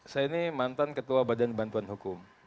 saya ini mantan ketua badan bantuan hukum